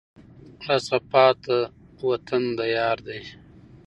راڅخه پاته وطن د یار دی